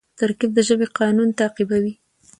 ترکیب د ژبي قانون تعقیبوي.